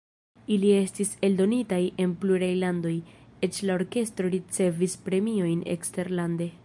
Ili estis eldonitaj en pluraj landoj, eĉ la orkestro ricevis premiojn eksterlande.